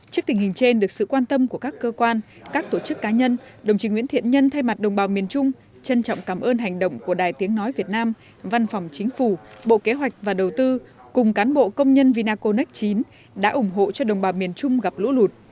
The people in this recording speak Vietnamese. trước tình hình trên được sự quan tâm của các cơ quan các tổ chức cá nhân đồng chí nguyễn thiện nhân thay mặt đồng bào miền trung trân trọng cảm ơn hành động của đài tiếng nói việt nam văn phòng chính phủ bộ kế hoạch và đầu tư cùng cán bộ công nhân vinaconex chín đã ủng hộ cho đồng bào miền trung gặp lũ lụt